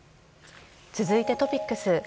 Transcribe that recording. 続いてトピックス。